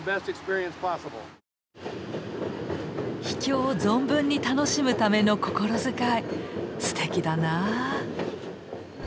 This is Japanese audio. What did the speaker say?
秘境を存分に楽しむための心遣いすてきだな。